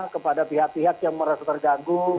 kepada pihak pihak yang merasa terganggu